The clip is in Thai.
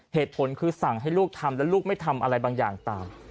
เหตุผลคือสั่งให้ลูกทำและลูกไม่ทำอะไรบางอย่างตาม